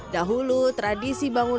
dahulu tradisi bangunan